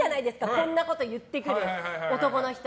こんなこと言ってくる男の人。